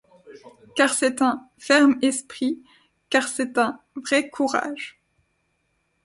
Car c'est un, ferme esprit ! car c'est un vrai courage !